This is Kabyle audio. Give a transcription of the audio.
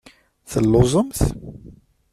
Telluẓemt?